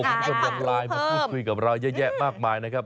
ก็มาโปรดรูปเพิ่มทูลไลน์พูดคุยกับเราเยอะแยะมากมายนะครับ